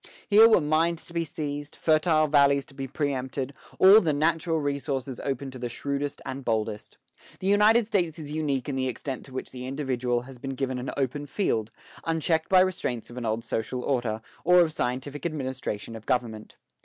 Here were mines to be seized, fertile valleys to be preëmpted, all the natural resources open to the shrewdest and the boldest. The United States is unique in the extent to which the individual has been given an open field, unchecked by restraints of an old social order, or of scientific administration of government.